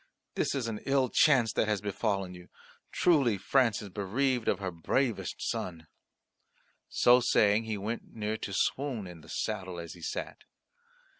"This is an ill chance that has befallen you. Truly France is bereaved of her bravest son." So saying he went near to swoon in the saddle as he sat.